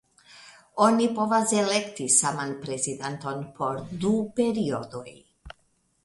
Oni povas elekti saman prezidanton por du periodoj.